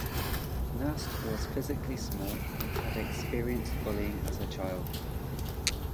Nast was physically small and had experienced bullying as a child.